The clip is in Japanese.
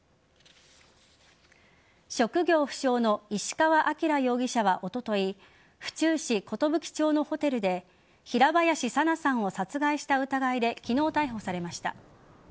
職業不詳の石川晃容疑者はおととい府中市寿町のホテルで平林さなさんを殺害した疑いで昨日、逮捕されました。